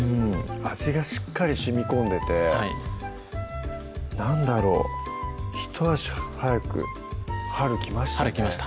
味がしっかりしみこんでて何だろう一足早く春来ましたね春来ました？